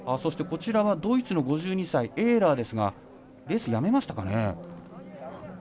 こちらはドイツの５２歳エーラーですがレース、やめましたかね。